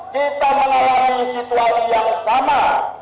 kita mengalami situasi yang sama